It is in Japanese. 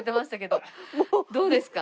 どうですか？